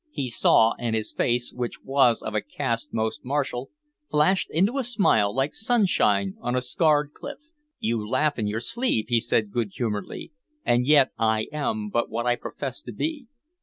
He saw, and his face, which was of a cast most martial, flashed into a smile, like sunshine on a scarred cliff. "You laugh in your sleeve," he said good humoredly, "and yet I am but what I profess to be.